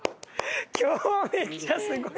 今日めっちゃすごい！